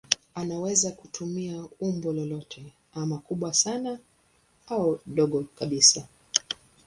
Anaweza kutumia umbo lolote ama kubwa sana au dogo kabisa.